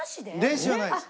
練習はないです。